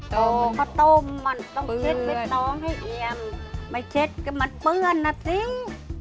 ต้มมันต้องเช็ดไว้ต้องให้เนียมไม่เช็ดก็มันเปื้อนน่ะสิ้ง